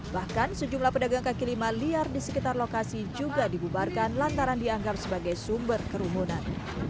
bahkan sejumlah pedagang kaki lima liar di sekitar lokasi juga dibubarkan lantaran dianggap sebagai sumber kerumunan